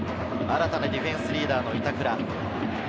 新たなディフェンスリーダーの板倉。